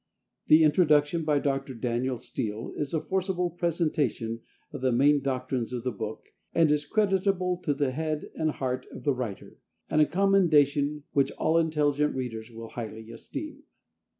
The Introduction, by Dr. Daniel Steele, is a forcible presentation of the main doctrines of the book, and is creditable to the head and heart of the writer, and a commendation which all intelligent readers will highly esteem.